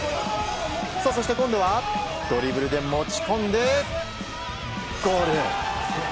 そして今度はドリブルで持ち込んでゴール！